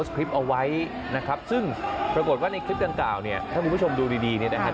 ครีปเอาไว้นะครับซึ่งปรากฏว่าในครีปดังกล่าวถ้าคุณผู้ชมดูดีได้ค่ะ